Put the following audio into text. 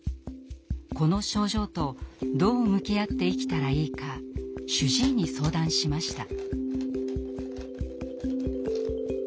この症状とどう向き合って生きたらいいか主治医に相談しました。